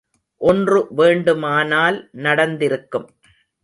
ஒன்று வேண்டுமானால் நடந்திருக்கும்.